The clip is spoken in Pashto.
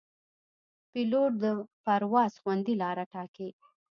پیلوټ د پرواز خوندي لاره ټاکي.